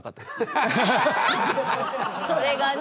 それがね。